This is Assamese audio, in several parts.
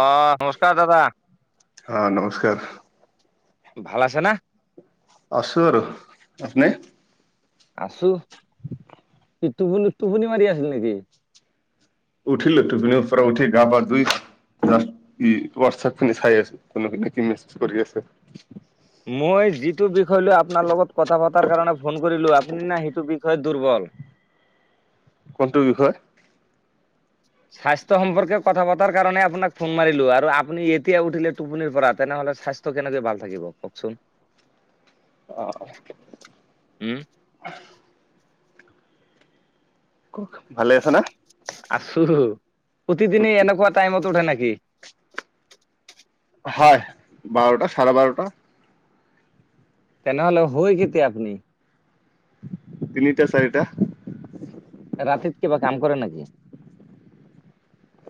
অ নমস্কাৰ দাদা, হা নমস্কাৰ ভাল আছে ন? আছোঁ আৰু, আপুনি? আছো। ই টোপনি টোপনি মাৰি আছিল নেকি? উঠিলো টোপিনিৰ পৰা উঠি গা পা ধুই। ই হোৱাটছপ খিনি চাই আছো কোনোব কি মেছেজ কৰি আছে। মই যিটো বিষয় লৈ আপোনাৰ লগত কথা পতাৰ কাৰণে ফোন কৰিলো আপুনি না সেইটো বিষয়ে দুৰ্বল। কোনটো বিষয়? স্বাস্থ্য সম্পৰ্কে কথা পতাৰ কাৰণে আপোনাক ফোন মাৰিলো আৰু আপুনি এতিয়া উঠিলে টোপনিৰ পৰা তেনেহলে স্বাস্থ্য- কেনেকৈ ভাল থাকিব কওঁকচোন। অহ। উম। কক, ভালে আছা না? আছো, প্ৰতিদিনেই এনেকুৱা টাইমত উঠে নেকি? হয়, বাৰটা চাৰে বাৰটা। তেনেহলে, শুৱে কেতিয়া আপুনি? তিনিটা চাৰিটা। ৰাতিত কিবা কাম কৰে নেকি?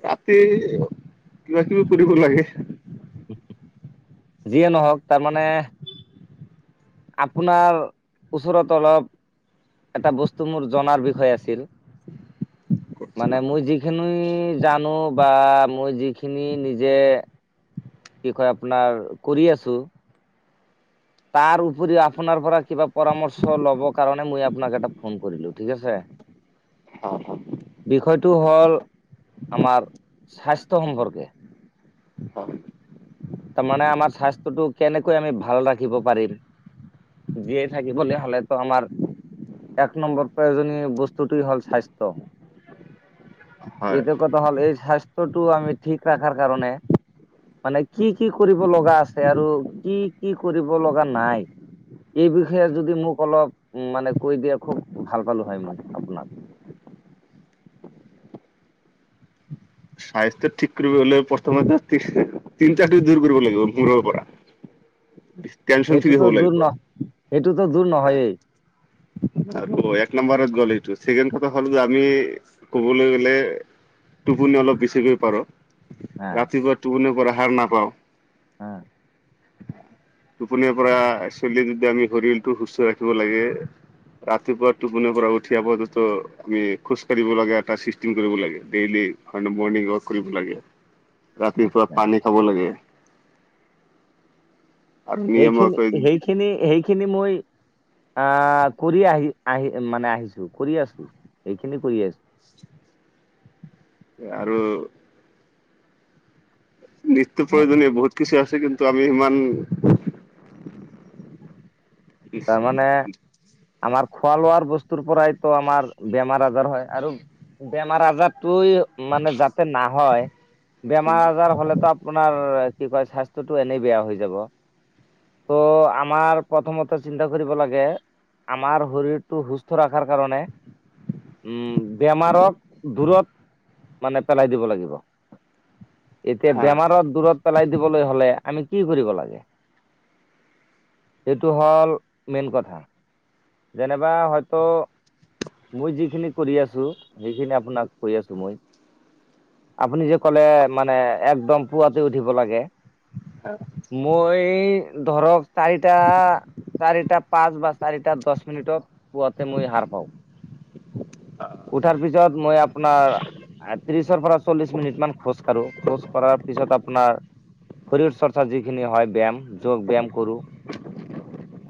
ৰাতি কিবা কিবি কৰিব লাগে। যিয়ে নহওক তাৰমানে, - আপোনাৰ ওচৰত অলপ- এটা বস্তু মোৰ জনাৰ বিষয়ে আছিল। মানে মই যিখিনি জানো বা মই যিখিনি নিজে- কি কয় আপোনাৰ কৰি আছো। তাৰ উপৰি আপোনাৰ পৰা কিবা পৰামৰ্শ লব কাৰণে মই আপোনাক এটা ফোন কৰিলো ঠিক আছে। [inaudible] অঁ অঁ' বিষয়টো হ'ল আমাৰ স্বাস্থ্য সম্পৰ্কে। হয় তামানে আমাৰ স্বাস্থ্যটো কেনেকৈ আমি ভাল ৰাখিব পাৰিম? জীয়াই থাকিবলে হ'লেতো আমাৰ- এক নম্বৰ প্ৰয়োজনীয় বস্তুটোৱে হল স্বাস্থ্য। হয় হয়। এইটো কথা হ'ল এই স্বাস্থ্যটো আমি ঠিক ৰাখাৰ কাৰণে মানে- কি কি কৰিব লগা আছে আৰু কি কি কৰিব লগা নাই? এই বিষয়ে যদি মোক অলপ মানে কৈ দিয়ে, খুব ভাল পালো হয় মই আপোনাক। স্বাথ্য ঠিক কৰিব হলে প্ৰথমতে চিন্তাটো দূৰ কৰিব লাগিব মূৰৰ পৰা। [inaudible] দিছতেল- সেইটোতো দূৰ নহ এইটোতো দূৰ নহয়েই। হ'ব এক নম্বাৰত গ'লেটো ছেকেণ্ড কথা হ'ল যে আমি ক'বলৈ গলে- টোপনি অলপ বেছিকৈ পৰ হা, ৰাতিপুৱা টোপনিৰ পৰা সাৰ নাপাও। আঁ' টোপনিৰ পৰা চলি যদি আমি শৰীৰটো সুস্থ ৰাখিব লাগে। ৰাতিপুৱা টোপনিৰ পৰা উঠিয়ে আব তাতো- আমি খোজ কঢ়িব লাগে, এটাচিচটিং কৰিব লাগে, ডেইলি মৰ্ণিং ৱাক কৰিব লাগে। ৰাতিপুৱা হা। পানী খাব লাগে। আৰু এইখিনি নিয়মীয়াকৈ সেইখিনি সেইখিনি মই- আঁ কৰি আহি আহি মানে আহিছো কৰি আছো এইখিনি কৰি আছো। সে আৰু- নিট্য মা প্ৰয়োজনীয় বহুত কিছু আছে কিন্তু আমি সিমান- তাৰ মানে- আমাৰ খোৱা লোৱাৰ বস্তুৰ পৰাইতো আমাৰ বেমাৰ আজাৰ হয়, আৰু- বেমাৰ আজাৰটোই মানে যাতে নহয় বেমাৰ আজাৰ হলেতো আপ- পোনাৰ কি কয়, স্বাস্থ্যটো এনেই বেয়া হৈ যাব। ত' আমাৰ প্ৰথমত- ত চিন্তা কৰিব লাগে আমাৰ শৰীৰটো সুস্থ ৰাখাৰ কাৰণে- উম' বেমাৰক দূৰত- মানে পেলাই দিব লাগিব। এতিয়া হা বেমাৰত দূৰত পেলাই দিবলৈ হলে আমি- কি কৰিব লাগে? এইটো হ'ল মেন কথা। যেনেবা হয়তো মই যিখিনি কৰি আছো, সেইখিনি আপোনাক কৰি আছো। মই। আপুনি যে কলে, মানে একদম পুৱাতে উঠিব লাগে। অ'। মই ধৰক চাৰিটা, চাৰিটা পাঁচ বা চাৰি। দহ মিনিটত পুৱাতে মই সাৰ পাওঁ। উঠাৰ পিছত মই আপোনাৰ ত্ৰিশৰ পৰা চল্লিশ মিনিট মান খোজ। কাঢ়ো, খোজ কঢ়াৰ পিছত আপোনাৰ। শৰীৰ চৰ্চা যিখিনি হয় ব্যায়াম, যোগ ব্যায়াম কৰো।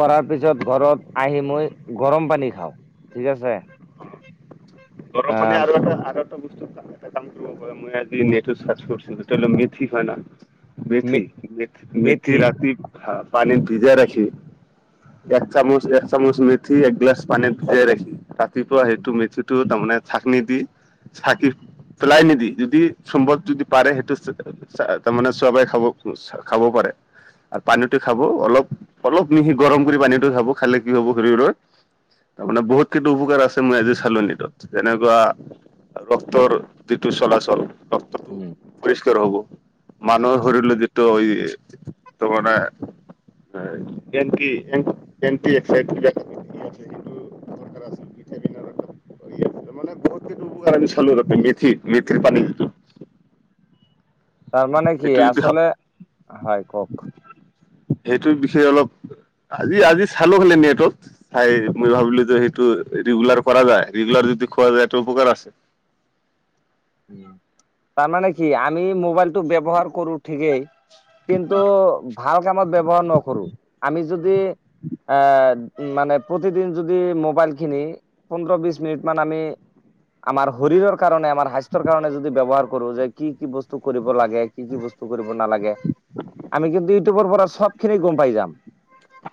কৰাৰ পিছত ঘৰত। আহি মই গৰম পানী খাওঁ, ঠিক আছে। গৰম পানী আহ আৰু এটা আৰু। [unintelligible] এটা কাম কৰিব পাৰে মই আজি নেটট ৰ্চাচ কৰিছিলো [unintelligible] মেথি হয় না। মে মেথি, মেথি ৰাতি পানিত ভিজাই ৰাখি। এক চামুচ, এক চামুচ মেথি একগিলাচ পানীত ভিজাই ৰাখি, ৰাতিপুৱা সেইটো মেথিত। টো তাৰমানে চাকনি দি চাকি। পলাই নিদি যদি চোম্বত যদি পাৰে সেইটো তাৰে মানে চোবাই খাব। খাব পাৰে। আৰু পানীটো খাব, অলপ অলপ মিহি গৰম কৰি পানীটো খাব, খালে কি হব শৰীৰৰ! তাৰমানে বহুত কেইটা উপকাৰ আছে, মই আজি চালো। যেনেকুৱা ৰক্তৰ যিটো চলাচল। ৰক্তটো উম' পৰিষ্কাৰ হব, মানুহৰ আচ্ছা শৰীৰলৈ যিটো এই মানে। [unintelligible] [unintelligible] [unintelligible] মেথি মেথিৰ পানী। তাৰমানে কি? সেইটো যদি আচলে, হয় কওক। সেইটো বিষয়ে অলপ আজি আজি চালো হলে নেটট। খাই মই ভাবিলো যে সেইটো ৰেগুলাৰ কৰা যায়, ৰেগুলাৰ যদি খোৱা যায় এটো উপকাৰ আছে। তাৰমানে কি আমি মোবাইলটো ব্যৱহাৰ কৰো ঠিকেই। কিন্তু ভাল কামত ব্যৱহাৰ নকৰো, আমি যদি। এ' মানে প্ৰতিদিন যদি মোবাইলখিনি। পোন্ধৰ বিশ মিনিট মান আমি আমাৰ শৰীৰৰ কাৰণে আমাৰ হাই। কাৰণে যদি ব্যৱহাৰ কৰো যে কি কি বস্তু কৰিব লাগে, কি কি বস্তু কৰিব নালাগে। আমি যদি ইউটিউবৰ পৰা সবখিনি গম পাই যাম।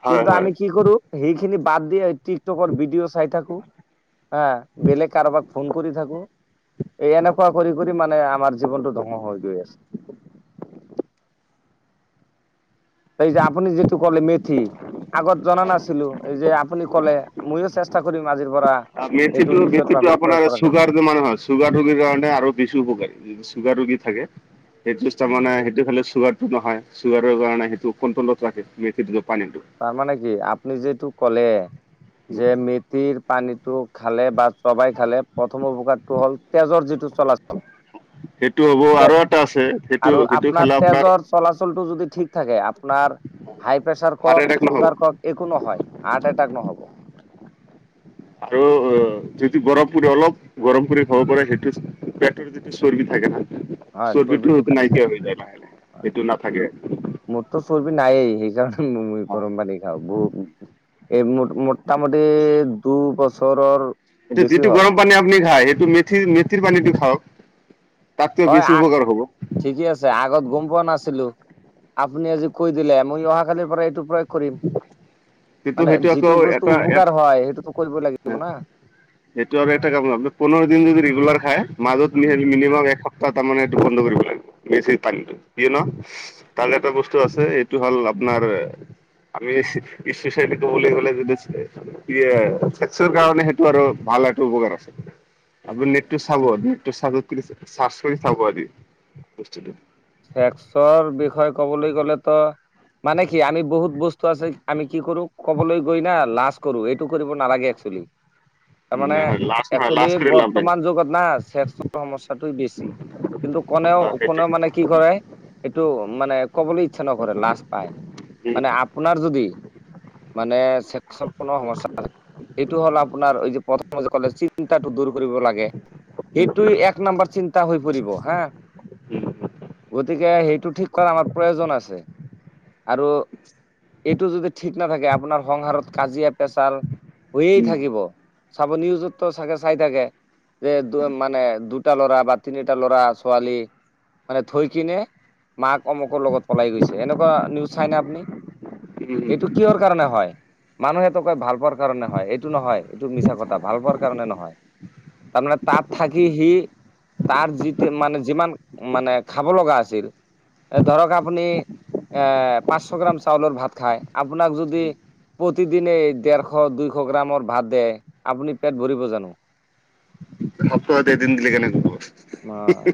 হয় কিন্তু হয় আমি কি কৰো! সেইখিনি বাদ দি টিকটকৰ ভিডিঅ'। চাই থাকো হা, বেলেগ কাৰোবাক ফোন কৰি থাকো। এই এনেকুৱা কৰি কৰি মানে আমাৰ জীৱনটো ধংস হৈ গৈ আছে। সেই যে আপুনি যিটো কলে মেথি। আগত জনা নাছিলো, এই যে আপুনি কলে ময়ো চেষ্টা কৰিম আজিৰ। পৰা [unintelligible] এইটো নিজৰ বাবে প্ৰয়োগ আপোনাৰ কৰাৰ কাৰণে চুগাৰ [unintelligible] চুগাৰ ৰোগীৰ কাৰণে আৰু বেছি উপকাৰী, চুগাৰ ৰোগী থাকে সেইটো উম তাৰমানে সেইটো খালে চুগাৰ। নহয়, চুগাৰৰ কাৰণে সেইটো কণ্ট্ৰলত ৰাখে, মেথিটো পানীটো। তাৰ মানে কি? আপুনি যিটো কলে যে মেথিৰ পানীটো খালে বা। চবাই খালে প্ৰথম উপকাৰটো হ'ল, তেজৰ যিটো চলাচল। সেইটো হ'ব তে আৰু এটা আছে সেইটো, আৰু সেইটো খালে আপোনাৰ তেজৰ চলাচলটো যদি ঠিক থাকে আপোনাৰ হাই প্ৰেছাৰ হাৰ্ট কওক এটেক নহ'ব চুগাৰ একো নহয় হাৰ্ট এটাক নহ'ব। আৰু যটো গৰম পু অলপ গৰম খাব পাৰে সেইটো পেটৰ টো চৰ্বি থাকে ন চৰ্বিটো হয়তো নাইকিয়া হৈ যায় লাহে, লাহে হয় সেইটো নাথাকে। মোৰতো চৰ্বি নাইেই সেইকাৰণে হয় গৰম পানী খাওঁ বুত এই মোটামুটি দুবছৰৰ এইটো বেছি যিটো হ'ল। গৰম পানী আপুনি খায় সেইটো মেথি মেথিৰ পানীটো খাওঁক। তাতকৈ হয় বেছি আগ উপকাৰ হ'ব। ঠিকে আছে আগত গ'ম পোৱা নাছিলোঁ আপুনি আজি কৈ দিলে মই অহাকালিৰ পৰা এইটোন ম কিন্তু মানে সেইটো যিটো আকৌ বস্তু এটা উপকাৰ হয় সেইটোতো কৰিব লাগিব না। সেইটো আৰু এটা কাম আ পোন্ধৰ দিন যদি ৰেগুলাৰ খাই মাজত মিনিমাম বা তাৰমানে এইটো বন্ধ কৰিব লাগিব বেছি মেথি পানীটো ইনো তাৰে এটা বস্তু আছে এইটো হ'ল আপোনাৰ আমি বিশ্ব চাহবীটোব গাললে বধছে [unintelligible] এ স্বাস্থ্য কাৰণে সেইটো আৰু ভাল এটা উপকাৰ আছে। আ নেটো চাব নেটো চ চাৰ্চ কৰি চাব এদিন বস্তুটো চেক্সৰ বিষয়ে ক'বলৈ গ'লেতো মানে কি আমি বহুত বস্তু আছে আমি কি কৰো কবলৈ গৈ না লাজ কৰো এইটো কৰিব নালাগে একচোয়েলি। তাৰ মানে নহয় লাজ নহয় একচেলি লাজ কৰি লাভ নাই বৰ্তমান যুগত না চেক সমস্যাটো বেছি কিন্তু কোনেও, অ সেইটোৱে কোনেও মানে কি কৰে সেইটো মানে ক'বলৈ ইচ্ছা নকৰে লাজ পায়। উম মানে আপোনাৰ যদি মানে [unintelligible] কোনো সমস্যা এইটো হ'ল আপোনাৰ এই যে প্ৰথম যে কলে চিন্তাটো দূৰ কৰিব লাগে। উম এইটোই এক নম্বৰ চিন্তা হৈ পৰিব হা। গতিকে সেইটো ঠিক কৰা আমাৰ প্ৰয়োজন আছে। আৰু এইটো যদি ঠিক নাথাকে আপোনাৰ সংহাৰত কাজিয়া প্ৰেছাল হৈয়েই উম থাকিব চাব নিউজতো চাগে চাই থাকে যে দু মানে দু টা ল'ৰা বা তিনিটা ল'ৰা ছোৱালী মানে থৈ কিনে মাক অমুকৰ লগত পলাই গৈছে এনেকুৱা নিউজ চাইনে আপুনি উম এইটো কিহৰ কাৰণে হয় মানুহেতো কয় ভাল পোৱাৰ কাৰণে হয় এইটো নহয় এইটো মিছা কথা ভাল পোৱাৰ কাৰণে নহয় তাৰমানে তাত থাকি সি তাৰ যিটো মানে যিমান মানে খাব লগা আছিল ধৰক আপুনি এ পাঁচশ গ্ৰাম চাউলৰ ভাত খায় আপোনাক যদি প্ৰতিদিনেই ডেৰশ দুইশ গ্ৰামৰ ভাত দে আপুনি পেট ভৰিব জানোঁ। সপ্তাহত এদিন দিলে কেনেকে হ'ব অ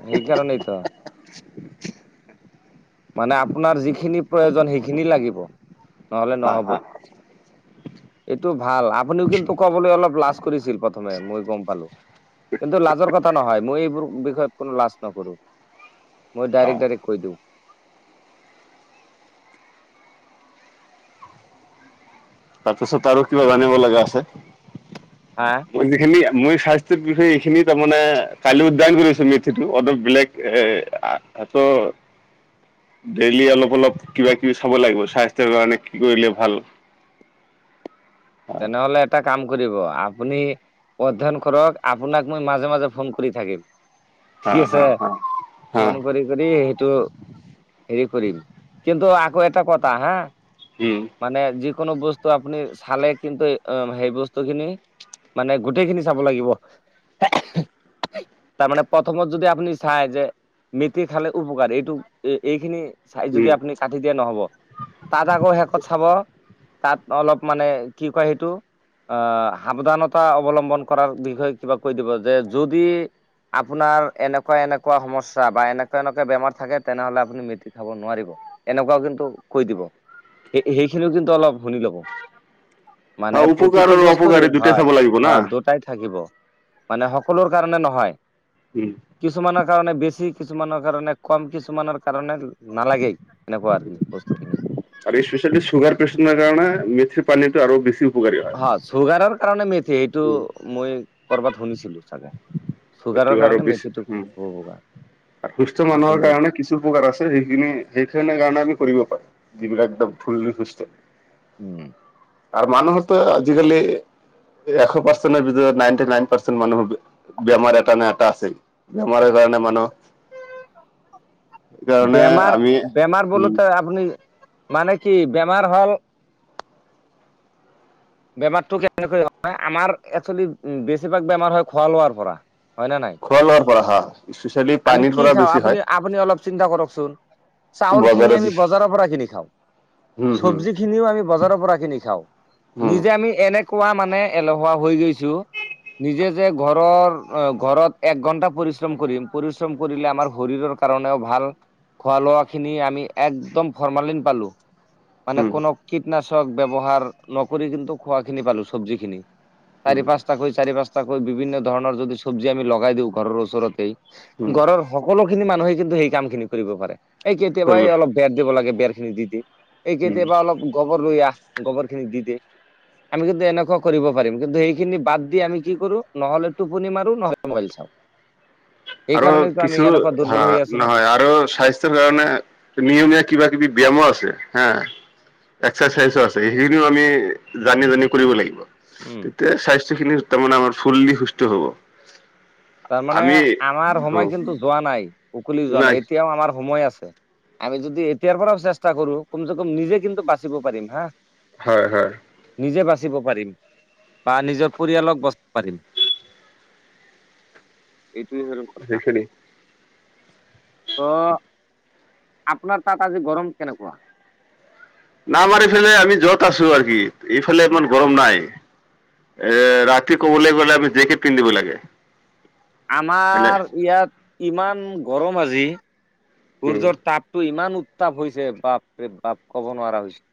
সেইকাৰণেইতো মানে আপোনাৰ যিখিনি প্ৰয়োজন সেইখিনি লাগিব। নহলে হয় নহ'ব। হয় এইটো ভাল আপুনিও কিন্তু ক'বলৈ অলপ লাজ কৰিছিল প্ৰথমে মই গম পালোঁ। কিন্তু লাজৰ কথা নহয় মই এইবোৰ বিষয়ত কোনো লাজ নকৰোঁ মই অ ডাইৰেক্ট, ডাইৰেক্ট কৈ দিওঁ। তাৰপিছত আৰু কিবা জানিব লগা আছে। হা। মই যিখিনি মই স্বাস্থ্যৰ বিষয়ে এইখিনি তাৰ মমানে [unintelligible] উদ্যয়ন কৰিছো মেথিটো অলপ বেলেগ এ আ তো [inaudible] ডেইলি অলপ অলপ কিবা কিবি চাব লাগিব স্বাস্থ্যৰ কাৰণে কি কৰিলে ভাল। তেনেহ'লে এটা কাম কৰিব আপুনি অধ্যয়ন কৰক আপোনাক মই মাজে মাজে ফোন কৰি থাকিম হা ঠিক হা আছে? হা হা ফোন কৰি কৰি সেইটো হেৰি কৰিম। কিন্তু আকৌ এটা কথা হা উম মানে যিকোনো বস্তু আপুনি চালে কিন্তু সেই বস্তু খিনি মানে গোটেই খিনি চাব লাগিব। তাৰমানে প্ৰথমত যদি আপুনি চাই যে মেটি খালে উপকাৰ এইটো এইখিনি চাই উম যদি আপুনি কাটি দিয়ে নহ'ব। তাত আকৌ শেষত চাব তাত অলপ মানে কি কয় সেইটো? আহ সাৱধানতা অৱলম্বন কৰাৰ বিষয়ে কিবা কৈ দিব যে যদি আপোনাৰ এনেকুৱা এনেকুৱা সমস্যা বা এনেকুৱা এনেকুৱা বেমাৰ থাকে তেনেহ'লে আপুনি মেথি খাব নোৱাৰিব। এনেকুৱাও কিন্তু কৈ দিব চে সেইখিনিও কিন্তু অলপ শুনি ল'ব। অ মানে উপকাৰ প্ৰতিটো আৰু বস্তুৰে অপকাৰী দুটাই হয় চাব লাগিব না হয় দুটাই থাকিব। মানে সকলোৰ কাৰণে নহয়। উম। কিছুমানৰ কাৰণে বেছি, কিছুমানৰ কাৰণে কম, কিছুমানৰ কাৰণে নালাগেই। এনেকুৱা আৰু আৰকি বস্তুখিনি। আৰু স্পেচিয়েলি চুগাৰ পেচেণ্টৰ কাৰণে মেঠিৰ পানীটো আৰু বেছি হয় চুগাৰৰ কাৰণে মেথি এইটো মই কৰবাত শুনিছিলো চাগে। এইটো চুগাৰৰ কাৰণে বেছি মেথিটোক উম [unintelligible] আৰু সুস্থ মানুহৰ কাৰণে কিছু উপকাৰ আছে সেইখিনি সেইখিনিৰ কাৰণে আমি কৰিব পাৰো। যিবিলাক একদম ফুলি সুস্থ উম আৰু মানুহৰতো আজিকালি এশ পাৰ্চেটৰ ভিতৰত নাইনটি নাইন পাৰ্চেণ্ট মানুহ বেমাৰ এটা নে এটা আছে। বেমাৰৰ কাৰণে মানুহ সেইকাৰণে বেমাৰ আমি বেমাৰ উম বলোতে আপনি মানে কি বেমাৰ হ'ল বেমাৰটো কেনেক আমাৰ একচেল বেছিভাগ বেমাৰ হয় খোৱা লোৱাৰ পৰা। হয় ন নাই? খোৱা লোৱাৰ পৰা হা স্পেচিয়েলি আমি পানীৰ কি পৰা খাওঁ বেছি হয় আপুনি আপুনি অলপ চিন্তা কৰকচোন চাউল খিনি বজাৰত আমি বজাৰৰ পৰা কিনি খাওঁ, হম হম চব্জি খিনিও আমি বজাৰৰ পৰা কিনি খাওঁ, হম নিজে আমি এনে কোৱা মানে এলহুৱা হৈ গৈছো, নিজে যে ঘৰৰ ঘৰত এক ঘন্টা পৰিশ্ৰম কৰিম পৰিশ্ৰম কৰিলে আমাৰ শৰীৰৰ কাৰণে ভা ভাল খোৱা-লোৱা খিনি আমি একদম ফৰালিন পালো, মানে হম কোনো কনাশ ব্যৱহাৰ নকৰি কিন্তু খোৱা খিনি পালো চব্জি খিনি চাৰি হম পাঁচ তাকৈ চাৰি পাঁচতাকৈ বিভিন্ন ধৰণৰ যদি চব্জি আমি লগাই দিওঁ ঘৰৰ ওচৰতেই, হম ঘৰৰ সকলো খিনি মানুহে কিন্তু এই কাম খিনি কৰিব পাৰে। এই কেতিয়াবাই কৰিব অলপ বেৰ দিব লাগে বেৰ খিনি দি দি। এই উম কেতিয়াবা অলপ গোবৰ লৈ আহ গোবৰ খিনি দি দে। আমি কিন্তু এনেকুৱা কৰিব পাৰিম কিন্তু এইখিনি বাদ দি আমি কি কৰো, নহ'লে টোপনি মাৰো, নহ'লে মবাইল চাওঁ। আৰু সেইকাৰণেতো আমি কিছু এনেকুৱা দুৰ্বল হৈ হয় আছো না নহয় আৰু স্বাস্থ্যৰ কাৰণে নিয়মীয়া কিবা কিবি ব্যায়ামো আছে হা। এক্সাৰচাইজো আছে, সেইখিনিও আমি জানি জানি কৰিব লাগিব। উম তেতিয়াই স্বাস্থ্যখিনি তাৰমানে আমাৰ ফুললি সুস্থ হ'ব। তাৰমানে আমি আমাৰ সময় অ' কিন্তু যোৱা নাই উকলি যোৱা নাই, এতিয়াও আমাৰ সময় আছে। আমি যদি এতিয়াৰ পৰাও চেষ্টা কৰো কমছে কম নিজে কিন্তু বাচিব পাৰিম হাঁ। হয় হয়। নিজে বাচিব পাৰিম বা নিজৰ পৰিয়ালক বচাব পাৰিম। এইটোৱে সৰু কথা। সেইখিনি ত' আপোনাৰ তাত আজি গৰম কেনেকুৱা? না মাৰিফালে আমি যত আছো আজি এইফালে ইমান গৰম নাই। এ ৰাতি কবলে গ'লে আমি জেকেট পিন্ধিব লাগে। এনে আমাৰ ইয়াত ইমান গৰম আজি- উম। সূৰ্যৰ তাপটো ইমান উত্তাপ হৈছে বাপ ৰে বাপ ক'ব নোৱাৰা হৈছে।